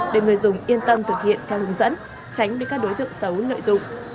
để người dùng yên tâm thực hiện theo hướng dẫn tránh bị các đối tượng xấu lợi dụng